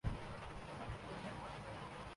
روشنی آکر واپس نہیں جاسکتی